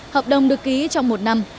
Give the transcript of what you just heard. hợp đồng được ký trong một năm